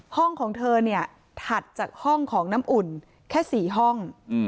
ห้องของเธอเนี่ยถัดจากห้องของน้ำอุ่นแค่๔ห้อง